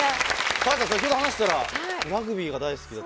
多江さん、先ほど話してたら、ラグビーが大好きだと。